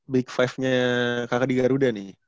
big five nya kakak di garuda nih